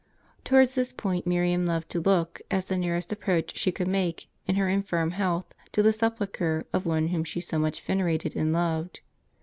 Towards this point Miriam loved to look, as the nearest approach she could make, in her infirm health, to the sepulchre of one whom she so much venerated and loved.